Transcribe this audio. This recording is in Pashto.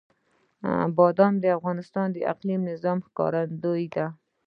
بادام د افغانستان د اقلیمي نظام ښکارندوی ده.